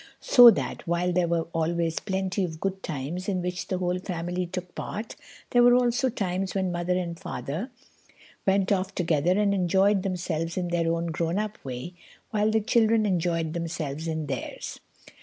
So that, while there were always plenty of good times in which the whole family took part, there were also times when Father and Mother went off together and enjoyed themselves in their own grown up way, while the children enjoyed themselves in theirs.